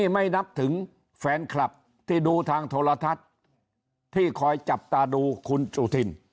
ไม่นับถึงแฟนคลับที่ดูทางโทรทัศน์ที่คอยจับตาดูคุณจุธิน